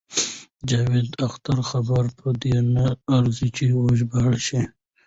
د جاوید اختر خبرې په دې نه ارزي چې وژباړل شي.